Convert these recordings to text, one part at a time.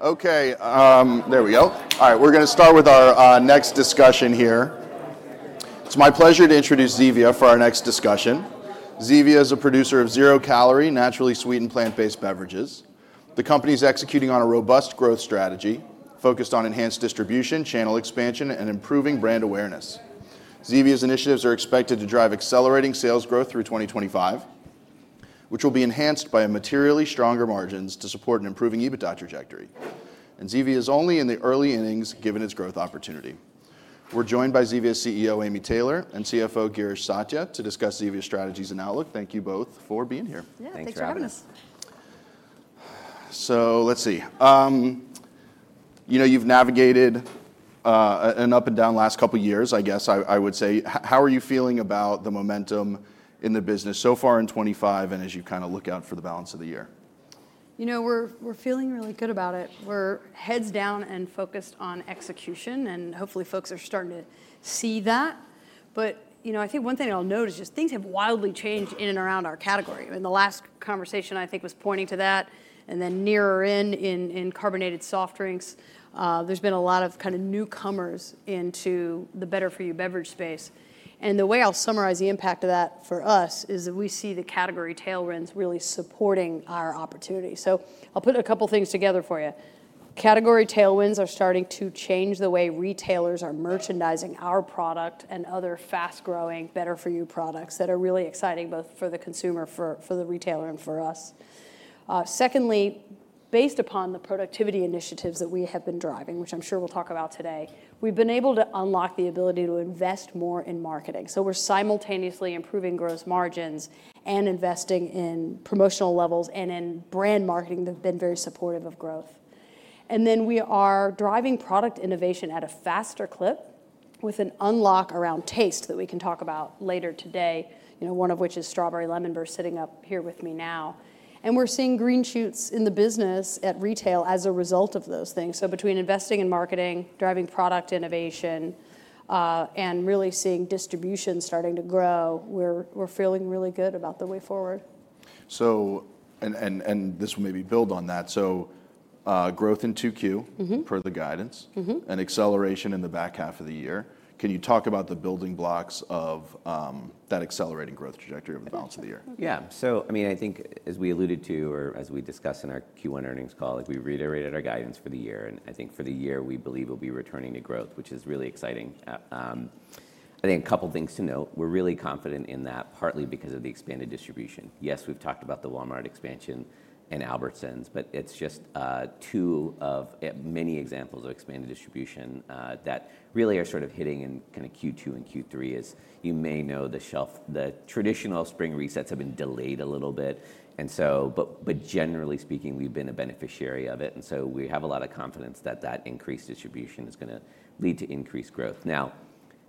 Okay, there we go. All right, we're going to start with our next discussion here. It's my pleasure to introduce Zevia for our next discussion. Zevia is a producer of zero-calorie, naturally sweetened, plant-based beverages. The company is executing on a robust growth strategy focused on enhanced distribution, channel expansion, and improving brand awareness. Zevia's initiatives are expected to drive accelerating sales growth through 2025, which will be enhanced by materially stronger margins to support an improving EBITDA trajectory. Zevia is only in the early innings given its growth opportunity. We're joined by Zevia CEO Amy Taylor and CFO Girish Satya to discuss Zevia's strategies and outlook. Thank you both for being here. Yeah, thanks for having us. Let's see. You've navigated an up and down last couple of years, I guess I would say. How are you feeling about the momentum in the business so far in 2025 and as you kind of look out for the balance of the year? You know, we're feeling really good about it. We're heads down and focused on execution, and hopefully folks are starting to see that. I think one thing I'll note is just things have wildly changed in and around our category. In the last conversation, I think I was pointing to that, and then nearer in in carbonated soft drinks, there's been a lot of kind of newcomers into the better-for-you beverage space. The way I'll summarize the impact of that for us is that we see the category tailwinds really supporting our opportunity. I'll put a couple of things together for you. Category tailwinds are starting to change the way retailers are merchandising our product and other fast-growing better-for-you products that are really exciting both for the consumer, for the retailer, and for us. Secondly, based upon the productivity initiatives that we have been driving, which I'm sure we'll talk about today, we've been able to unlock the ability to invest more in marketing. We are simultaneously improving gross margins and investing in promotional levels and in brand marketing that have been very supportive of growth. We are driving product innovation at a faster clip with an unlock around taste that we can talk about later today, one of which is Strawberry Lemon Burst sitting up here with me now. We are seeing green shoots in the business at retail as a result of those things. Between investing in marketing, driving product innovation, and really seeing distribution starting to grow, we're feeling really good about the way forward. This will maybe build on that. Growth in 2Q per the guidance and acceleration in the back half of the year. Can you talk about the building blocks of that accelerating growth trajectory over the balance of the year? Yeah. I think as we alluded to or as we discussed in our Q1 earnings call, we reiterated our guidance for the year. I think for the year we believe we'll be returning to growth, which is really exciting. I think a couple of things to note. We're really confident in that partly because of the expanded distribution. Yes, we've talked about the Walmart expansion and Albertsons, but it's just two of many examples of expanded distribution that really are sort of hitting in kind of Q2 and Q3. As you may know, the traditional spring resets have been delayed a little bit. Generally speaking, we've been a beneficiary of it. We have a lot of confidence that that increased distribution is going to lead to increased growth. Now,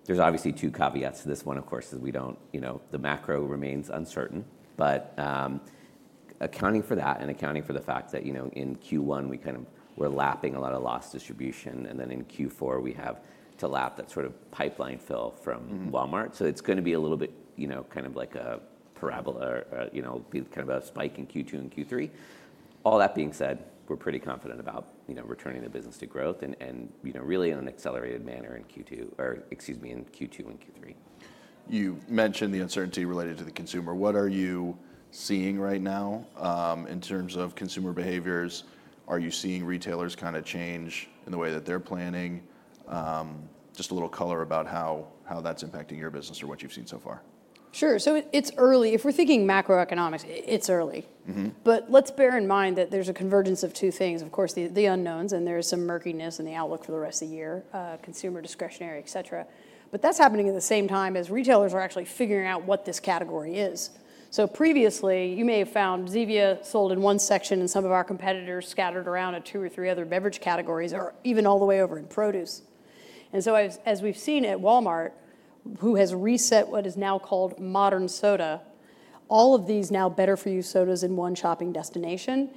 there's obviously two caveats to this. One, of course, is we don't, the macro remains uncertain, but accounting for that and accounting for the fact that in Q1 we kind of were lapping a lot of lost distribution, and then in Q4 we have to lap that sort of pipeline fill from Walmart. It is going to be a little bit kind of like a parabola or kind of a spike in Q2 and Q3. All that being said, we're pretty confident about returning the business to growth and really in an accelerated manner in Q2 or, excuse me, in Q2 and Q3. You mentioned the uncertainty related to the consumer. What are you seeing right now in terms of consumer behaviors? Are you seeing retailers kind of change in the way that they're planning? Just a little color about how that's impacting your business or what you've seen so far. Sure. So it's early. If we're thinking macroeconomics, it's early. But let's bear in mind that there's a convergence of two things. Of course, the unknowns, and there is some murkiness in the outlook for the rest of the year, consumer discretionary, et cetera. But that's happening at the same time as retailers are actually figuring out what this category is. So previously, you may have found Zevia sold in one section and some of our competitors scattered around at two or three other beverage categories or even all the way over in produce. And so as we've seen at Walmart, who has reset what is now called modern soda, all of these now better-for-you sodas in one shopping destination.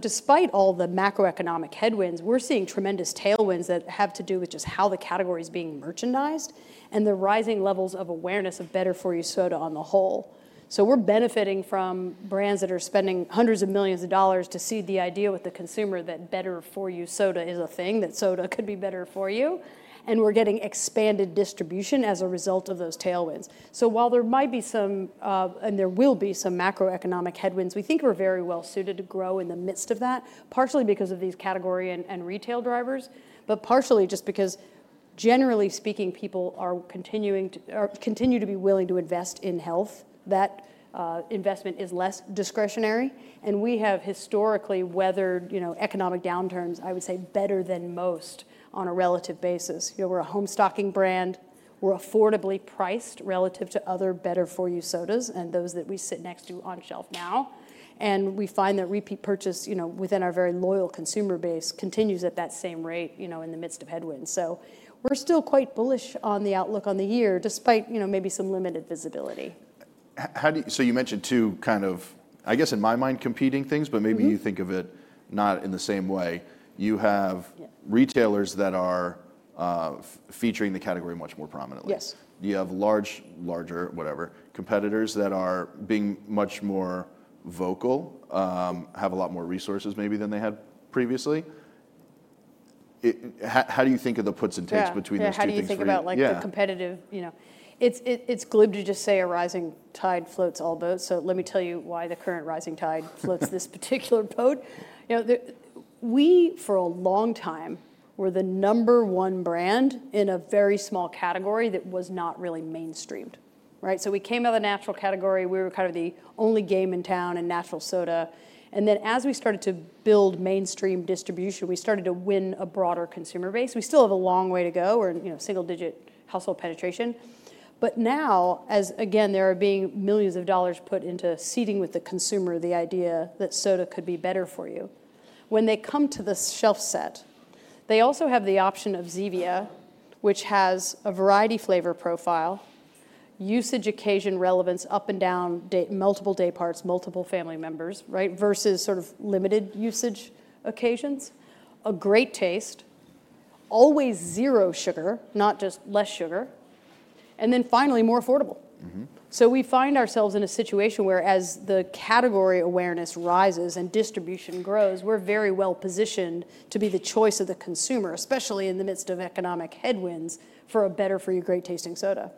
Despite all the macroeconomic headwinds, we're seeing tremendous tailwinds that have to do with just how the category is being merchandised and the rising levels of awareness of better-for-you soda on the whole. We're benefiting from brands that are spending hundreds of millions of dollars to seed the idea with the consumer that better-for-you soda is a thing, that soda could be better for you. We're getting expanded distribution as a result of those tailwinds. While there might be some, and there will be some macroeconomic headwinds, we think we're very well suited to grow in the midst of that, partially because of these category and retail drivers, but partially just because generally speaking, people continue to be willing to invest in health. That investment is less discretionary. We have historically weathered economic downturns, I would say, better than most on a relative basis. We're a home stocking brand. We're affordably priced relative to other better-for-you sodas and those that we sit next to on shelf now. We find that repeat purchase within our very loyal consumer base continues at that same rate in the midst of headwinds. We're still quite bullish on the outlook on the year despite maybe some limited visibility. You mentioned two kind of, I guess in my mind, competing things, but maybe you think of it not in the same way. You have retailers that are featuring the category much more prominently. Yes. You have large, larger, whatever, competitors that are being much more vocal, have a lot more resources maybe than they had previously. How do you think of the puts and takes between those two? Yeah, how do you think about the competitive? It's glib to just say a rising tide floats all boats. Let me tell you why the current rising tide floats this particular boat. We for a long time were the number one brand in a very small category that was not really mainstreamed. We came out of the natural category. We were kind of the only game in town in natural soda. As we started to build mainstream distribution, we started to win a broader consumer base. We still have a long way to go. We're single-digit household penetration. Now, as again, there are being millions of dollars put into seating with the consumer the idea that soda could be better for you. When they come to the shelf set, they also have the option of Zevia, which has a variety flavor profile, usage occasion relevance up and down, multiple day parts, multiple family members versus sort of limited usage occasions, a great taste, always zero sugar, not just less sugar, and then finally more affordable. We find ourselves in a situation where as the category awareness rises and distribution grows, we're very well positioned to be the choice of the consumer, especially in the midst of economic headwinds for a better-for-you, great-tasting soda.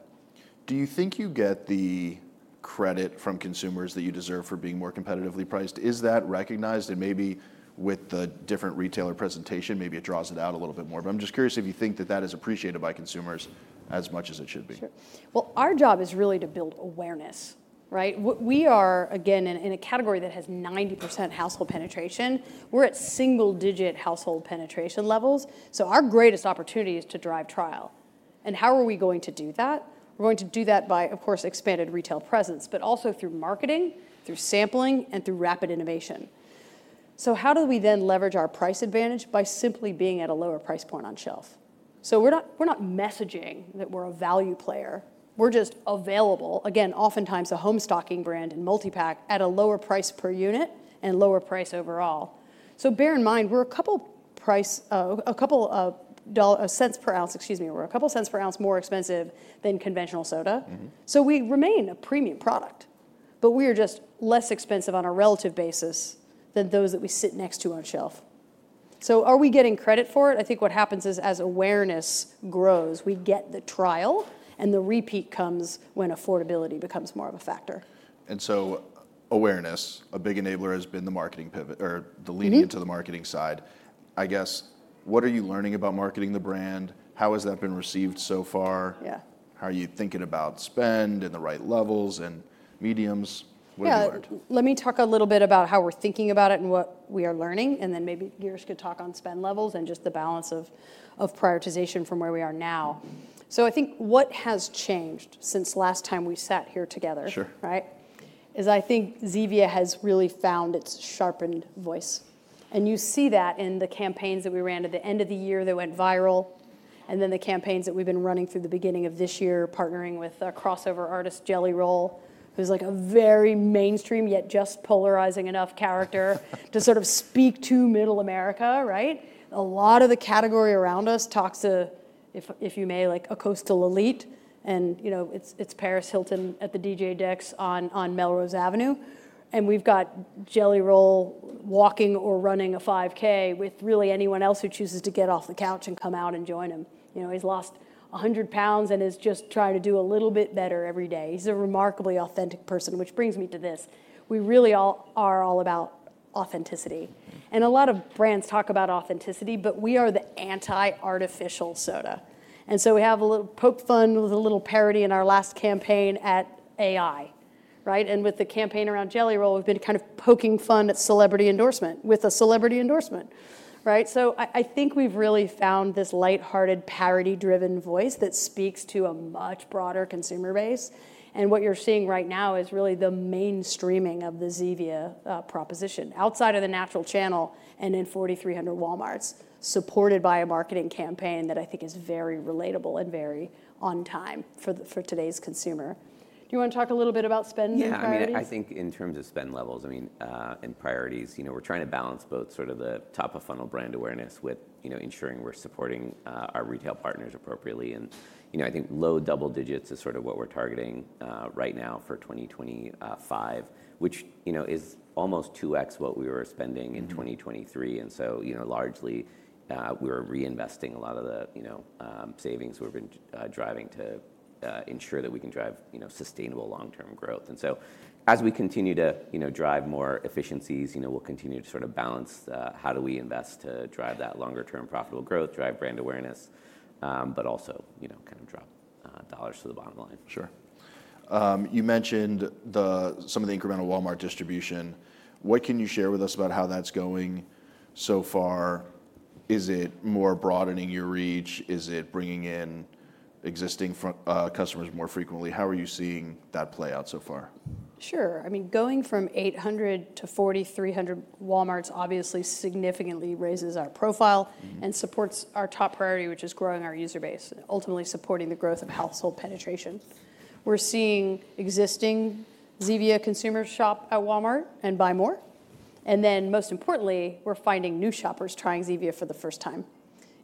Do you think you get the credit from consumers that you deserve for being more competitively priced? Is that recognized? Maybe with the different retailer presentation, maybe it draws it out a little bit more. I'm just curious if you think that that is appreciated by consumers as much as it should be. Sure. Our job is really to build awareness. We are, again, in a category that has 90% household penetration. We're at single-digit household penetration levels. Our greatest opportunity is to drive trial. How are we going to do that? We're going to do that by, of course, expanded retail presence, but also through marketing, through sampling, and through rapid innovation. How do we then leverage our price advantage by simply being at a lower price point on shelf? We're not messaging that we're a value player. We're just available, again, oftentimes a home stocking brand and multi-pack at a lower price per unit and lower price overall. Bear in mind, we're a couple cents per ounce, excuse me, we're a couple cents per ounce more expensive than conventional soda. We remain a premium product, but we are just less expensive on a relative basis than those that we sit next to on shelf. Are we getting credit for it? I think what happens is as awareness grows, we get the trial and the repeat comes when affordability becomes more of a factor. Awareness, a big enabler has been the marketing pivot or the leaning into the marketing side. I guess, what are you learning about marketing the brand? How has that been received so far? How are you thinking about spend and the right levels and mediums? Yeah. Let me talk a little bit about how we're thinking about it and what we are learning, and then maybe Girish could talk on spend levels and just the balance of prioritization from where we are now. I think what has changed since last time we sat here together is I think Zevia has really found its sharpened voice. You see that in the campaigns that we ran at the end of the year that went viral, and then the campaigns that we've been running through the beginning of this year partnering with a crossover artist, Jelly Roll, who's like a very mainstream yet just polarizing enough character to sort of speak to middle America. A lot of the category around us talks to, if you may, like a coastal elite. It's Paris Hilton at the DJ Deck's on Melrose Avenue. We have got Jelly Roll walking or running a 5K with really anyone else who chooses to get off the couch and come out and join him. He has lost 100 pounds and is just trying to do a little bit better every day. He is a remarkably authentic person, which brings me to this. We really are all about authenticity. A lot of brands talk about authenticity, but we are the anti-artificial soda. We have a little poke fun with a little parody in our last campaign at AI. With the campaign around Jelly Roll, we have been kind of poking fun at celebrity endorsement with a celebrity endorsement. I think we have really found this lighthearted, parody-driven voice that speaks to a much broader consumer base. What you're seeing right now is really the mainstreaming of the Zevia proposition outside of the natural channel and in 4,300 Walmarts supported by a marketing campaign that I think is very relatable and very on time for today's consumer. Do you want to talk a little bit about spend? I think in terms of spend levels and priorities, we're trying to balance both sort of the top-of-funnel brand awareness with ensuring we're supporting our retail partners appropriately. I think low double-digits is sort of what we're targeting right now for 2025, which is almost 2x what we were spending in 2023. Largely we were reinvesting a lot of the savings we've been driving to ensure that we can drive sustainable long-term growth. As we continue to drive more efficiencies, we'll continue to sort of balance how do we invest to drive that longer-term profitable growth, drive brand awareness, but also kind of drop dollars to the bottom line. Sure. You mentioned some of the incremental Walmart distribution. What can you share with us about how that's going so far? Is it more broadening your reach? Is it bringing in existing customers more frequently? How are you seeing that play out so far? Sure. I mean, going from 800 to 4,300 Walmarts obviously significantly raises our profile and supports our top priority, which is growing our user base, ultimately supporting the growth of household penetration. We're seeing existing Zevia consumers shop at Walmart and buy more. Most importantly, we're finding new shoppers trying Zevia for the first time.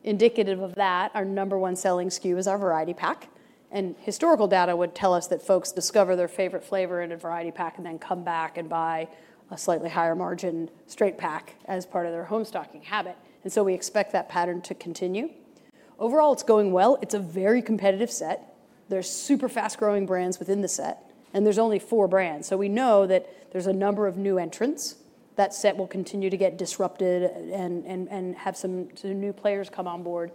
Indicative of that, our number one selling SKU is our variety pack. Historical data would tell us that folks discover their favorite flavor in a variety pack and then come back and buy a slightly higher margin straight pack as part of their home stocking habit. We expect that pattern to continue. Overall, it's going well. It's a very competitive set. There are super fast-growing brands within the set, and there are only four brands. We know that there's a number of new entrants. That set will continue to get disrupted and have some new players come on board.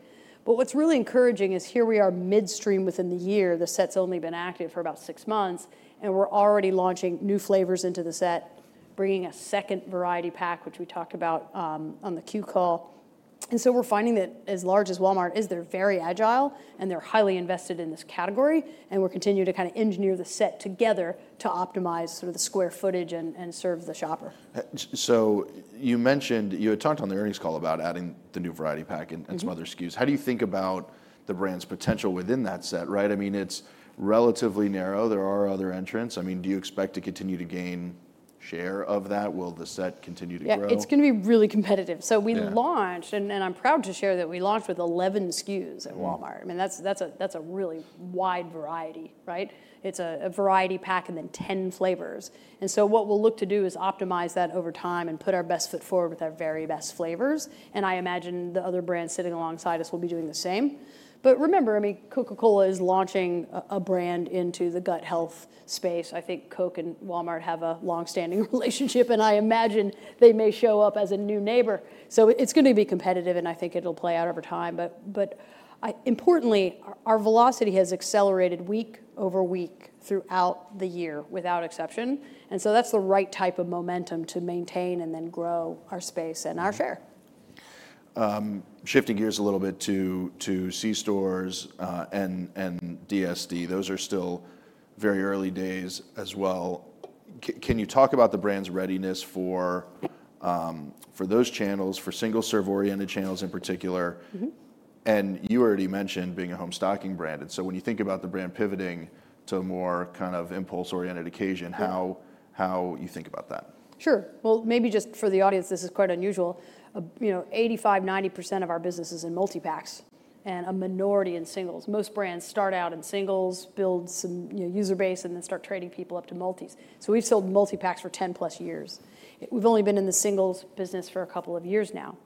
What is really encouraging is here we are midstream within the year. The set's only been active for about six months, and we're already launching new flavors into the set, bringing a second variety pack, which we talked about on the Q call. We are finding that as large as Walmart is, they are very agile and they are highly invested in this category. We are continuing to kind of engineer the set together to optimize sort of the square footage and serve the shopper. You had talked on the earnings call about adding the new variety pack and some other SKUs. How do you think about the brand's potential within that set? I mean, it's relatively narrow. There are other entrants. I mean, do you expect to continue to gain share of that? Will the set continue to grow? Yeah, it's going to be really competitive. We launched, and I'm proud to share that we launched with 11 SKUs at Walmart. I mean, that's a really wide variety. It's a variety pack and then 10 flavors. What we'll look to do is optimize that over time and put our best foot forward with our very best flavors. I imagine the other brands sitting alongside us will be doing the same. Remember, I mean, Coca-Cola is launching a brand into the gut health space. I think Coke and Walmart have a long-standing relationship, and I imagine they may show up as a new neighbor. It's going to be competitive, and I think it'll play out over time. Importantly, our velocity has accelerated week over week throughout the year without exception. That's the right type of momentum to maintain and then grow our space and our share. Shifting gears a little bit to C stores and DSD. Those are still very early days as well. Can you talk about the brand's readiness for those channels, for single-serve oriented channels in particular? You already mentioned being a home stocking brand. When you think about the brand pivoting to a more kind of impulse-oriented occasion, how do you think about that? Sure. Maybe just for the audience, this is quite unusual. 85%-90% of our business is in multi-packs and a minority in singles. Most brands start out in singles, build some user base, and then start trading people up to multis. We have sold multi-packs for 10+ years. We have only been in the singles business for a couple of years now.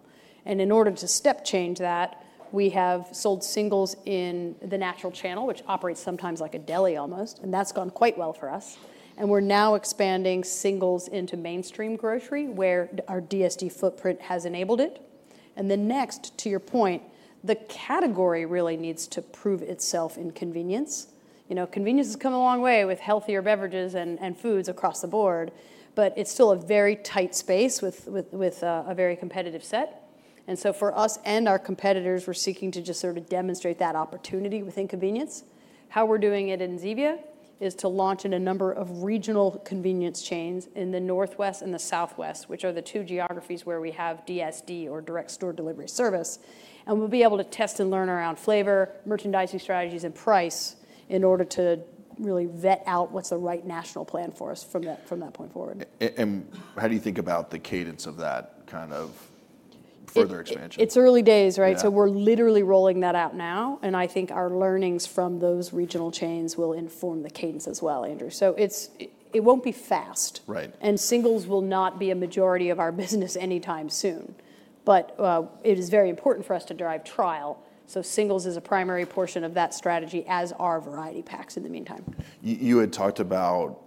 In order to step change that, we have sold singles in the natural channel, which operates sometimes like a deli almost. That has gone quite well for us. We are now expanding singles into mainstream grocery where our DSD footprint has enabled it. Next, to your point, the category really needs to prove itself in convenience. Convenience has come a long way with healthier beverages and foods across the board, but it is still a very tight space with a very competitive set. For us and our competitors, we're seeking to just sort of demonstrate that opportunity within convenience. How we're doing it in Zevia is to launch in a number of regional convenience chains in the Northwest and the Southwest, which are the two geographies where we have DSD or Direct Store Delivery Service. We'll be able to test and learn around flavor, merchandising strategies, and price in order to really vet out what's the right national plan for us from that point forward. How do you think about the cadence of that kind of further expansion? It's early days, right? We're literally rolling that out now. I think our learnings from those regional chains will inform the cadence as well, Andrew. It won't be fast. Singles will not be a majority of our business anytime soon. It is very important for us to drive trial. Singles is a primary portion of that strategy, as are variety packs in the meantime. You had talked about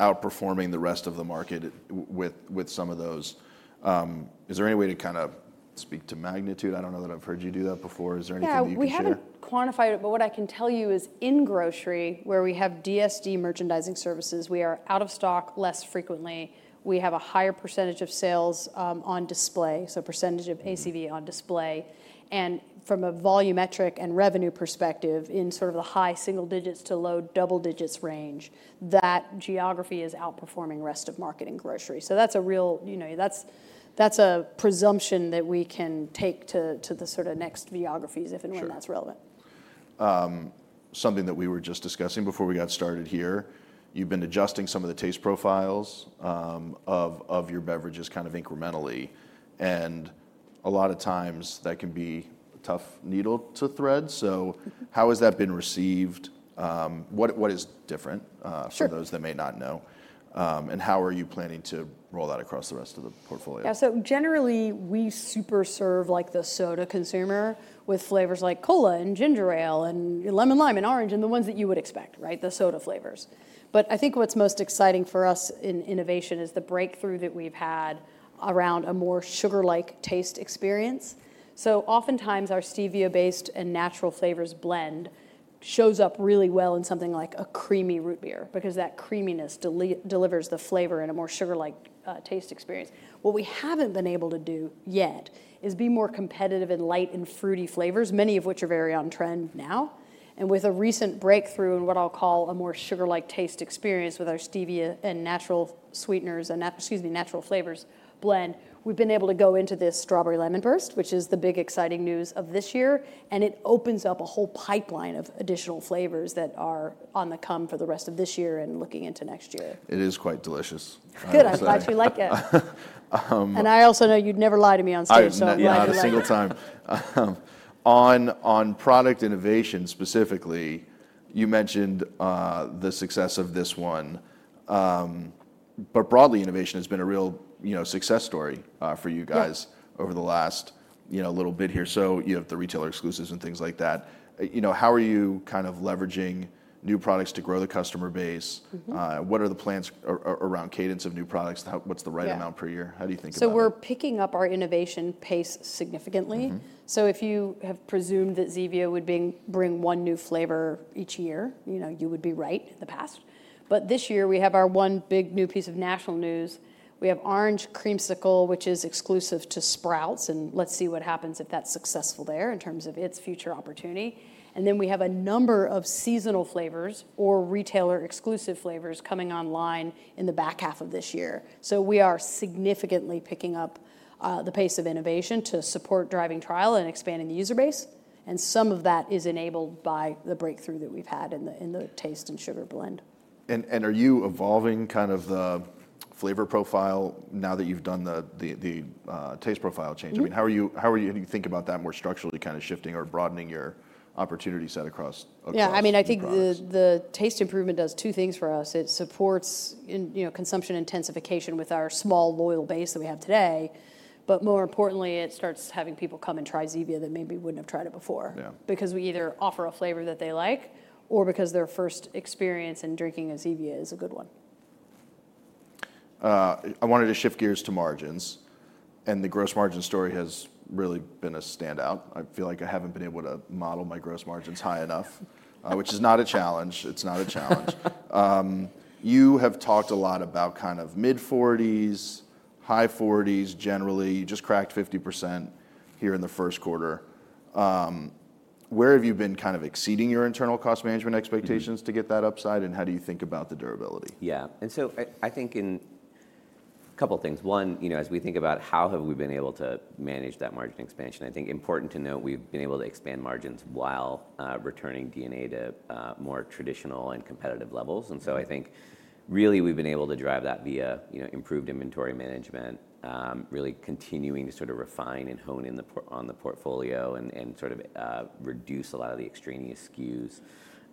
outperforming the rest of the market with some of those. Is there any way to kind of speak to magnitude? I don't know that I've heard you do that before. Is there anything that you can? We haven't quantified it, but what I can tell you is in grocery, where we have DSD merchandising services, we are out of stock less frequently. We have a higher percentage of sales on display, so percentage of ACV on display. From a volumetric and revenue perspective in sort of the high single digits to low double digits range, that geography is outperforming the rest of marketing grocery. That's a presumption that we can take to the sort of next geographies if and when that's relevant. Sure. Something that we were just discussing before we got started here, you've been adjusting some of the taste profiles of your beverages kind of incrementally. A lot of times that can be a tough needle to thread. How has that been received? What is different for those that may not know? How are you planning to roll that across the rest of the portfolio? Yeah. So generally, we super serve the soda consumer with flavors like Cola and Ginger Ale and Lemon Lime and Orange and the ones that you would expect, the soda flavors. I think what's most exciting for us in innovation is the breakthrough that we've had around a more sugar-like taste experience. Oftentimes our Stevia-based and natural flavors blend shows up really well in something like a Creamy Root Beer because that creaminess delivers the flavor in a more sugar-like taste experience. What we haven't been able to do yet is be more competitive in light and fruity flavors, many of which are very on trend now. With a recent breakthrough in what I'll call a more sugar-like taste experience with our Stevia and natural sweeteners and natural flavors blend, we've been able to go into this Strawberry Lemon Burst, which is the big exciting news of this year. It opens up a whole pipeline of additional flavors that are on the come for the rest of this year and looking into next year. It is quite delicious. Good. I actually like it. I also know you'd never lie to me on Stevia. Not a single time. On product innovation specifically, you mentioned the success of this one. But broadly, innovation has been a real success story for you guys over the last little bit here. You have the retailer exclusives and things like that. How are you kind of leveraging new products to grow the customer base? What are the plans around cadence of new products? What's the right amount per year? How do you think about that? We're picking up our innovation pace significantly. If you have presumed that Zevia would bring one new flavor each year, you would be right in the past. This year we have our one big new piece of national news. We have Orange Creamsicle, which is exclusive to Sprouts. Let's see what happens if that's successful there in terms of its future opportunity. We have a number of seasonal flavors or retailer exclusive flavors coming online in the back half of this year. We are significantly picking up the pace of innovation to support driving trial and expanding the user base. Some of that is enabled by the breakthrough that we've had in the taste and sugar blend. Are you evolving kind of the flavor profile now that you've done the taste profile change? I mean, how do you think about that more structurally kind of shifting or broadening your opportunity set across? Yeah. I mean, I think the taste improvement does two things for us. It supports consumption intensification with our small loyal base that we have today. More importantly, it starts having people come and try Zevia that maybe wouldn't have tried it before because we either offer a flavor that they like or because their first experience in drinking a Zevia is a good one. I wanted to shift gears to margins. The gross margin story has really been a standout. I feel like I haven't been able to model my gross margins high enough, which is not a challenge. It's not a challenge. You have talked a lot about kind of mid-40s, high 40s generally. You just cracked 50% here in the first quarter. Where have you been kind of exceeding your internal cost management expectations to get that upside? How do you think about the durability? Yeah. I think in a couple of things. One, as we think about how have we been able to manage that margin expansion, I think important to note we've been able to expand margins while returning D&A to more traditional and competitive levels. I think really we've been able to drive that via improved inventory management, really continuing to sort of refine and hone in on the portfolio and sort of reduce a lot of the extraneous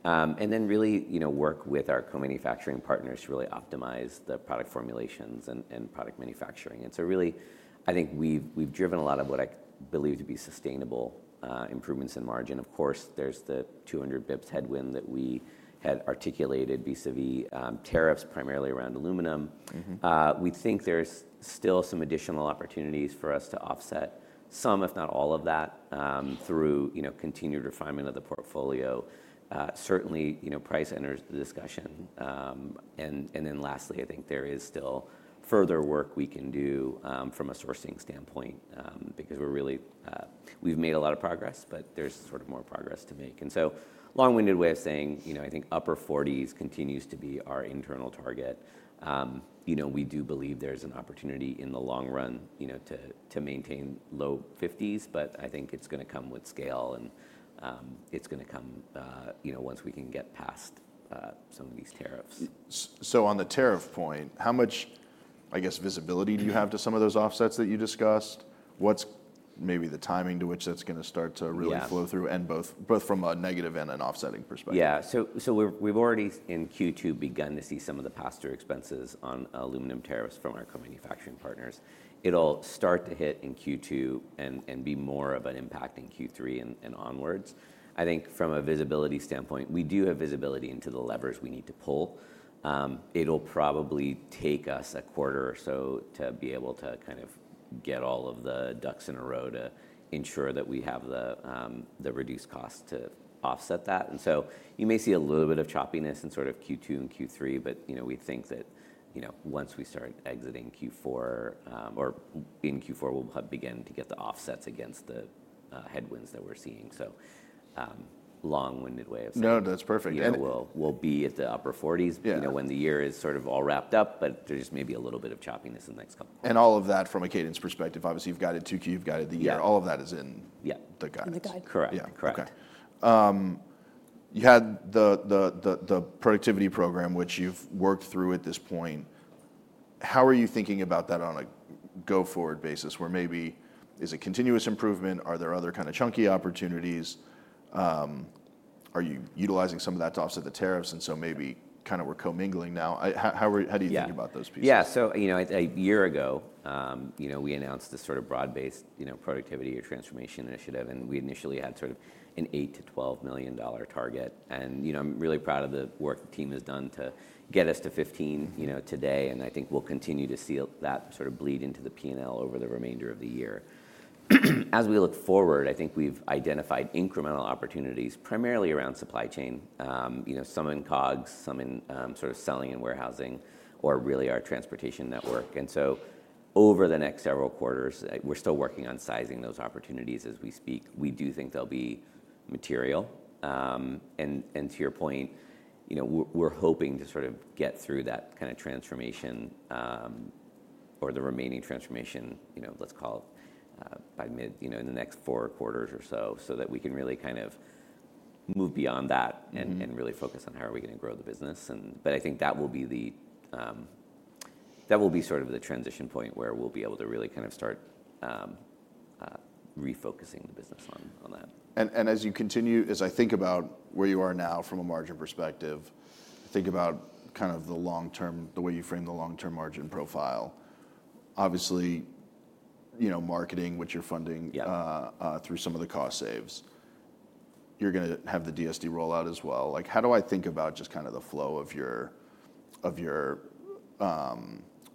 SKUs. Then really work with our co-manufacturing partners to really optimize the product formulations and product manufacturing. I think we've driven a lot of what I believe to be sustainable improvements in margin. Of course, there's the 200 bps headwind that we had articulated vis-à-vis tariffs primarily around aluminum. We think there's still some additional opportunities for us to offset some, if not all of that, through continued refinement of the portfolio. Certainly, price enters the discussion. Lastly, I think there is still further work we can do from a sourcing standpoint because we've made a lot of progress, but there's sort of more progress to make. Long-winded way of saying, I think upper 40% continues to be our internal target. We do believe there's an opportunity in the long run to maintain low 50%, but I think it's going to come with scale and it's going to come once we can get past some of these tariffs. On the tariff point, how much, I guess, visibility do you have to some of those offsets that you discussed? What's maybe the timing to which that's going to start to really flow through? Both from a negative and an offsetting perspective. Yeah. So we've already in Q2 begun to see some of the pass-through expenses on aluminum tariffs from our co-manufacturing partners. It'll start to hit in Q2 and be more of an impact in Q3 and onwards. I think from a visibility standpoint, we do have visibility into the levers we need to pull. It'll probably take us a quarter or so to be able to kind of get all of the ducks in a row to ensure that we have the reduced cost to offset that. You may see a little bit of choppiness in sort of Q2 and Q3, but we think that once we start exiting Q4 or in Q4, we'll begin to get the offsets against the headwinds that we're seeing. Long-winded way of saying. No, that's perfect. Will be at the upper 40s when the year is sort of all wrapped up, but there just may be a little bit of choppiness in the next couple of quarters. All of that from a cadence perspective. Obviously, you've got it Q2, you've got it the year. All of that is in the guides. In the guides. Correct. You had the productivity program, which you've worked through at this point. How are you thinking about that on a go-forward basis where maybe is it continuous improvement? Are there other kind of chunky opportunities? Are you utilizing some of that to offset the tariffs? Maybe kind of we're co-mingling now. How do you think about those pieces? Yeah. A year ago, we announced this sort of broad-based productivity or transformation initiative. We initially had sort of an $8 million-$12 million target. I'm really proud of the work the team has done to get us to $15 million today. I think we'll continue to see that sort of bleed into the P&L over the remainder of the year. As we look forward, I think we've identified incremental opportunities primarily around supply chain, some in COGS, some in sort of selling and warehousing, or really our transportation network. Over the next several quarters, we're still working on sizing those opportunities as we speak. We do think they'll be material. To your point, we're hoping to sort of get through that kind of transformation or the remaining transformation, let's call it, by mid in the next four quarters or so so that we can really kind of move beyond that and really focus on how are we going to grow the business. I think that will be the sort of the transition point where we'll be able to really kind of start refocusing the business on that. As you continue, as I think about where you are now from a margin perspective, think about kind of the way you frame the long-term margin profile. Obviously, marketing, which you're funding through some of the cost saves. You're going to have the DSD rollout as well. How do I think about just kind of the flow of your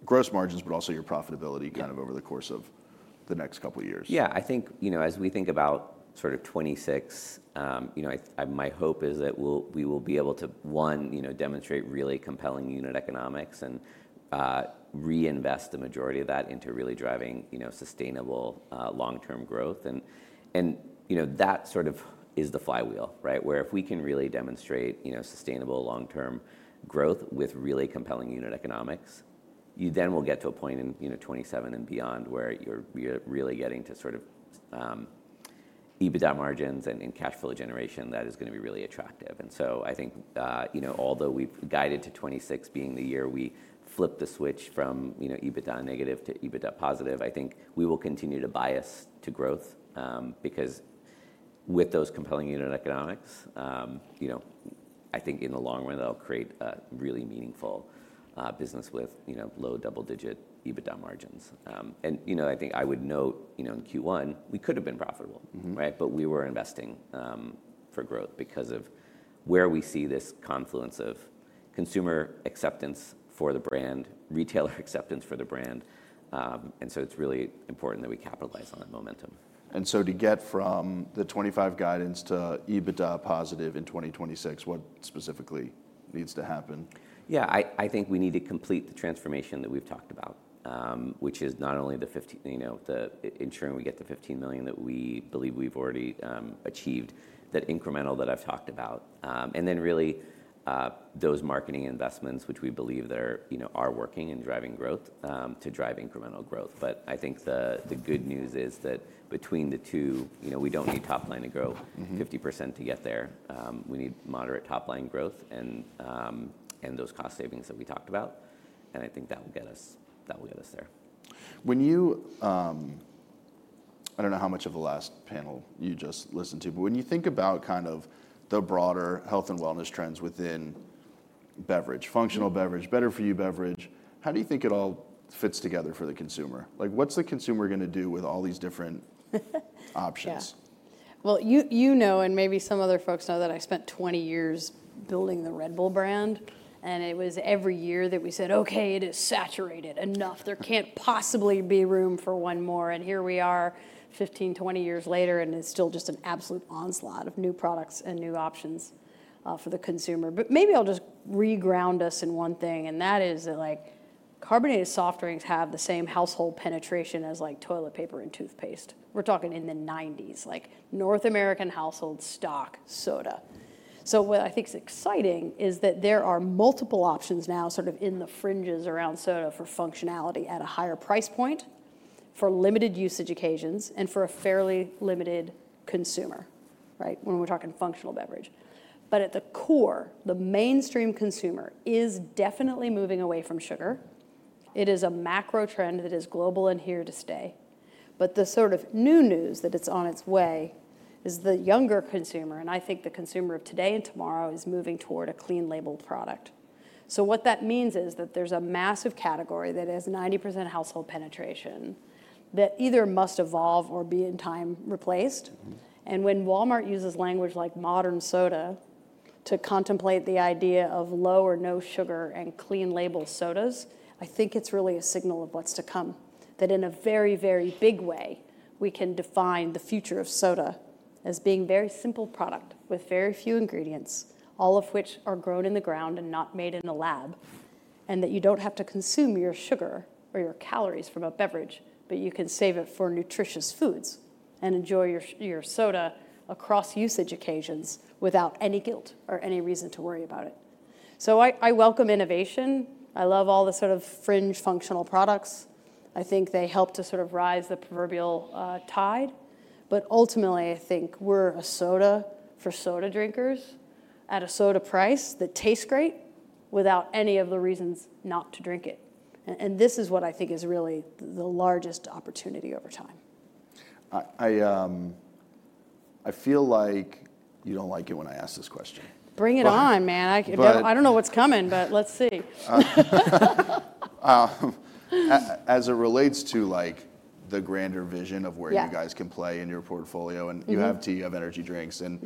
gross margins, but also your profitability kind of over the course of the next couple of years? Yeah. I think as we think about sort of 2026, my hope is that we will be able to, one, demonstrate really compelling unit economics and reinvest the majority of that into really driving sustainable long-term growth. That sort of is the flywheel, right? Where if we can really demonstrate sustainable long-term growth with really compelling unit economics, you then will get to a point in 2027 and beyond where you're really getting to sort of EBITDA margins and cash flow generation that is going to be really attractive. I think although we've guided to 2026 being the year we flipped the switch from EBITDA negative to EBITDA positive, I think we will continue to bias to growth because with those compelling unit economics, I think in the long run, that'll create a really meaningful business with low double-digit EBITDA margins. I think I would note in Q1, we could have been profitable, right? We were investing for growth because of where we see this confluence of consumer acceptance for the brand, retailer acceptance for the brand. It is really important that we capitalize on that momentum. To get from the 2025 guidance to EBITDA positive in 2026, what specifically needs to happen? Yeah. I think we need to complete the transformation that we've talked about, which is not only ensuring we get the $15 million that we believe we've already achieved, that incremental that I've talked about. Then really those marketing investments, which we believe are working and driving growth to drive incremental growth. I think the good news is that between the two, we don't need top line to grow 50% to get there. We need moderate top line growth and those cost savings that we talked about. I think that will get us there. When you--I do not know how much of the last panel you just listened to--but when you think about kind of the broader health and wellness trends within beverage, functional beverage, better for you beverage, how do you think it all fits together for the consumer? What is the consumer going to do with all these different options? Yeah. You know, and maybe some other folks know that I spent 20 years building the Red Bull brand. It was every year that we said, "Okay, it is saturated enough. There can't possibly be room for one more." Here we are 15, 20 years later, and it's still just an absolute onslaught of new products and new options for the consumer. Maybe I'll just reground us in one thing. That is that carbonated soft drinks have the same household penetration as toilet paper and toothpaste. We're talking in the '90s. North American household stock soda. What I think is exciting is that there are multiple options now sort of in the fringes around soda for functionality at a higher price point for limited usage occasions and for a fairly limited consumer, right? When we're talking functional beverage. At the core, the mainstream consumer is definitely moving away from sugar. It is a macro trend that is global and here to stay. The sort of new news that is on its way is the younger consumer, and I think the consumer of today and tomorrow is moving toward a clean labeled product. What that means is that there is a massive category that has 90% household penetration that either must evolve or be in time replaced. When Walmart uses language like modern soda to contemplate the idea of low or no sugar and clean label sodas, I think it is really a signal of what is to come. That in a very, very big way, we can define the future of soda as being a very simple product with very few ingredients, all of which are grown in the ground and not made in the lab, and that you don't have to consume your sugar or your calories from a beverage, but you can save it for nutritious foods and enjoy your soda across usage occasions without any guilt or any reason to worry about it. I welcome innovation. I love all the sort of fringe functional products. I think they help to sort of rise the proverbial tide. Ultimately, I think we're a soda for soda drinkers at a soda price that tastes great without any of the reasons not to drink it. This is what I think is really the largest opportunity over time. I feel like you don't like it when I ask this question. Bring it on, man. I don't know what's coming, but let's see. As it relates to the grander vision of where you guys can play in your portfolio, and you have tea, energy drinks, and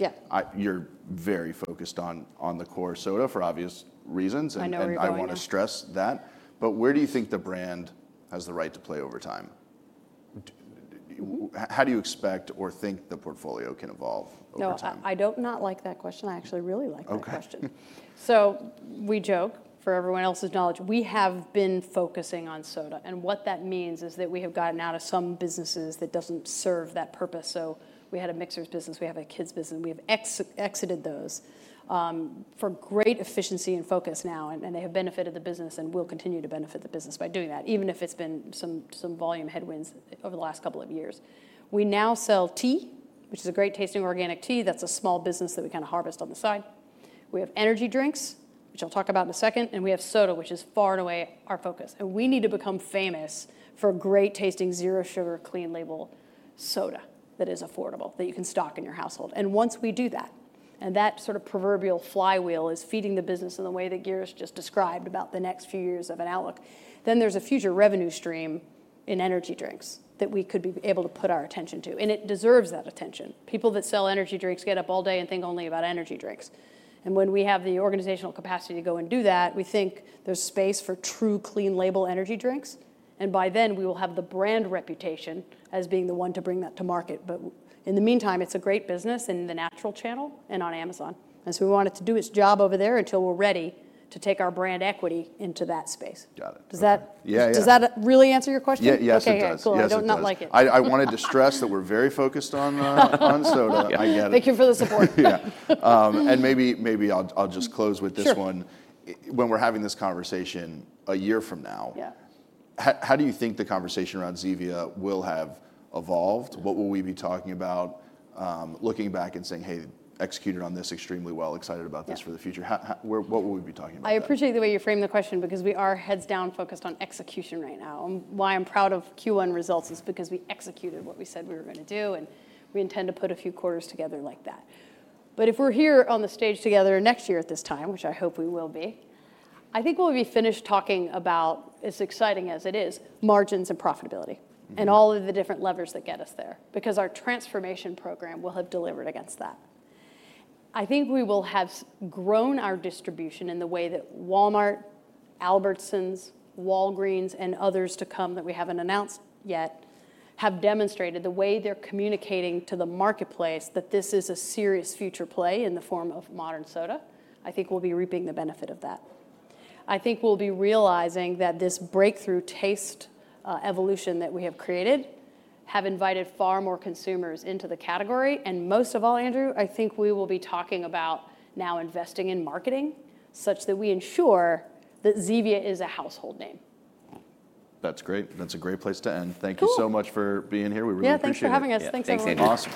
you're very focused on the core soda for obvious reasons. I know everybody. I want to stress that. Where do you think the brand has the right to play over time? How do you expect or think the portfolio can evolve over time? I don't not like that question. I actually really like that question. We joke for everyone else's knowledge. We have been focusing on soda. What that means is that we have gotten out of some businesses that do not serve that purpose. We had a mixers business. We have a kids' business. We have exited those for great efficiency and focus now. They have benefited the business and will continue to benefit the business by doing that, even if it has been some volume headwinds over the last couple of years. We now sell tea, which is a great tasting organic tea. That is a small business that we kind of harvest on the side. We have energy drinks, which I will talk about in a second. We have soda, which is far and away our focus. We need to become famous for great tasting zero sugar clean label soda that is affordable, that you can stock in your household. Once we do that, and that sort of proverbial flywheel is feeding the business in the way that Girish just described about the next few years of an outlook, there is a future revenue stream in energy drinks that we could be able to put our attention to. It deserves that attention. People that sell energy drinks get up all day and think only about energy drinks. When we have the organizational capacity to go and do that, we think there is space for true clean label energy drinks. By then, we will have the brand reputation as being the one to bring that to market. In the meantime, it is a great business in the natural channel and on Amazon. We want it to do its job over there until we're ready to take our brand equity into that space. Got it. Does that really answer your question? Yeah. Yeah. Okay. Cool. I don't not like it. I wanted to stress that we're very focused on soda. Thank you for the support. Yeah. Maybe I'll just close with this one. When we're having this conversation a year from now, how do you think the conversation around Zevia will have evolved? What will we be talking about looking back and saying, "Hey, executed on this extremely well. Excited about this for the future." What will we be talking about? I appreciate the way you framed the question because we are heads down focused on execution right now. Why I'm proud of Q1 results is because we executed what we said we were going to do. We intend to put a few quarters together like that. If we're here on the stage together next year at this time, which I hope we will be, I think we'll be finished talking about, as exciting as it is, margins and profitability and all of the different levers that get us there because our transformation program will have delivered against that. I think we will have grown our distribution in the way that Walmart, Albertsons, Walgreens, and others to come that we haven't announced yet have demonstrated the way they're communicating to the marketplace that this is a serious future play in the form of modern soda. I think we'll be reaping the benefit of that. I think we'll be realizing that this breakthrough taste evolution that we have created has invited far more consumers into the category. Most of all, Andrew, I think we will be talking about now investing in marketing such that we ensure that Zevia is a household name. That's great. That's a great place to end. Thank you so much for being here. We really appreciate it. Yeah. Thanks for having us. Thanks so much. Thanks to.